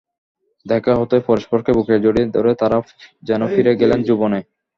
দেখা হতেই পরস্পরকে বুকে জড়িয়ে ধরে তাঁরা যেন ফিরে গেলেন যৌবনে।